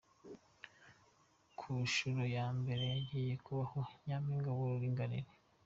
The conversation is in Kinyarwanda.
Ku nshuro ya mbere hagiye kubaho "Nyampinga w’Uburinganire"